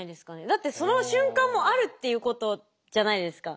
だってその瞬間もあるっていうことじゃないですか。